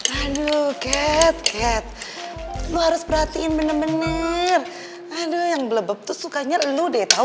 aduh cat cat lo harus perhatiin bener bener aduh yang belebek tuh sukanya lu deh tau